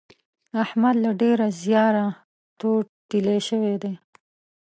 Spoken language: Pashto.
احمد له ډېره زیاره تور تېيلی شوی دی.